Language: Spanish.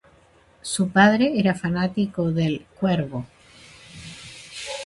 Su padre era fanático del 'Cuervo'.